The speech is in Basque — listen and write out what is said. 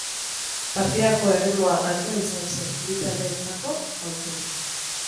Partidako erritmoa altua izan zen, bi taldeentzako aukerekin.